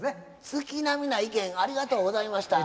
月並みな意見ありがとうございました。